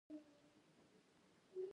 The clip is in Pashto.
لومړی هغه مواد دي چې زده کیږي.